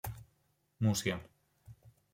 Mucià.